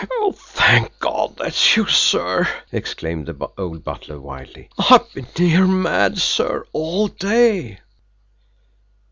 "Thank God that's you, sir!" exclaimed the old butler wildly. "I've been near mad, sir, all day!"